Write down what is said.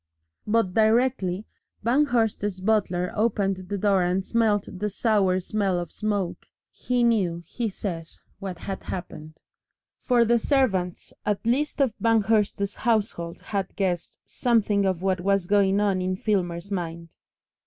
But directly Banghurst's butler opened the door and smelt the sour smell of the smoke, he knew, he says, what had happened. For the servants at least of Banghurst's household had guessed something of what was going on in Filmer's mind.